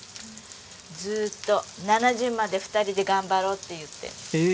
ずっと７０まで２人で頑張ろうって言って。